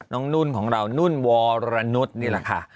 นุ่นของเรานุ่นวรนุษย์นี่แหละค่ะ